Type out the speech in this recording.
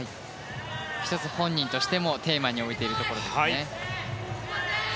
１つ本人としてもテーマに置いているところですね。